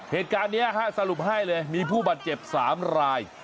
เหตุการณ์นี้สรุปให้เลยมีผู้บาดเจ็บ๓ราย